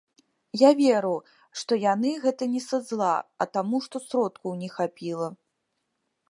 Я веру, што яны гэта не са зла, а таму што сродкаў не хапіла.